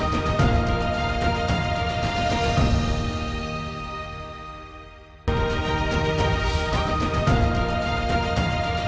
tapi harus dimusnahkanational